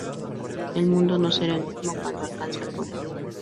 El mundo no será el mismo cuando alcance el poder.